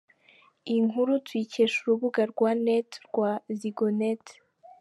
" Iyi nkuru tuyikesha urubuga rwa net rwa Zigonet.